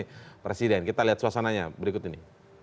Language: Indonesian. dari presiden kita lihat suasananya berikut ini